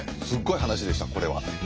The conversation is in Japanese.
すっごい話でしたこれは。